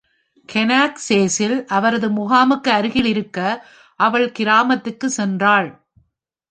கேனாக் சேஸில் அவரது முகாமுக்கு அருகில் இருக்க அவள் கிராமத்திற்கு சென்றாள்.